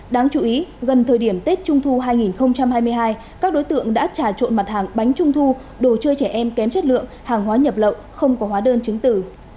đáng chú ý gần thời điểm tết trung thu hai nghìn hai mươi hai các đối tượng đã trà trộn mặt hàng bánh trung thu đồ chơi trẻ em kém chất lượng hàng hóa nhập lậu không có hóa đơn chứng tử